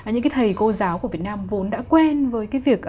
những cái thầy cô giáo của việt nam vốn đã quen với cái việc